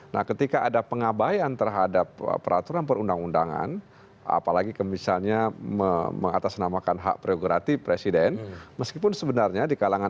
nah ketika ada pengabayan terhadap peraturan perundang undangan apalagi kemisalnya mengatakan bahwa kita harus berhenti melakukan peraturan perundang undangan